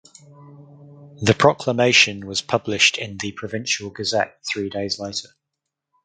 The proclamation was published in the "Provincial Gazette" three days later.